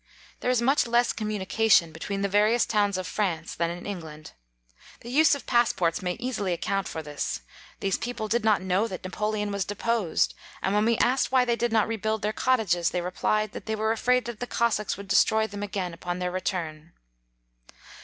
There is much less communication between the va rious towns of France than in Eng land. The use of passports may easily account for this : these people did not know that Napoleon was deposed, and when we asked why they did not re build their cottages, they replied, that they were afraid that the Cossacs would destroy them again upon their return.